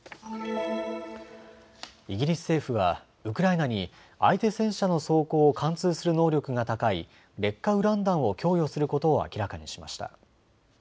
イギリス政府はウクライナに相手戦車の装甲を貫通する能力が高い劣化ウラン弾を供与することを明らかにしました。